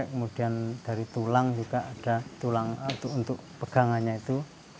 kemudian dari tulang juga ada tulang untuk pegangannya itu